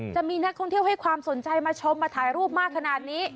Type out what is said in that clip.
จะมีนักท่องเที่ยวให้ความสนใจมาชมมาถ่ายรูปมากขนาดนี้